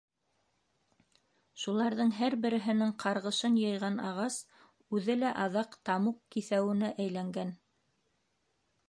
Шуларҙың һәр береһенең ҡарғышын йыйған ағас үҙе лә аҙаҡ тамуҡ киҫәүенә әйләнгән.